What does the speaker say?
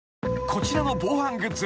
［こちらの防犯グッズ。